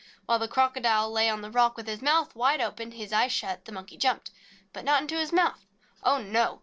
While the Crocodile lay on the rock with his mouth wide open and his eyes shut, the Monkey jumped. But not into his mouth! Oh, no!